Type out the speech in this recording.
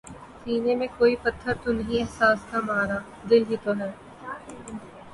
سینے میں کوئی پتھر تو نہیں احساس کا مارا، دل ہی تو ہے